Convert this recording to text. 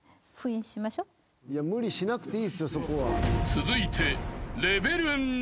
［続いて］